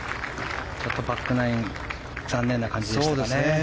ちょっとバックナイン残念な感じでしたかね。